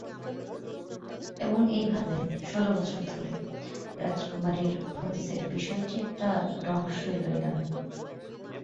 এবং এইভাবে, ষোল বছর ধরে, রাজকুমারীর হদিসের বিষয়টি একটা রহস্যই রয়ে গেলো।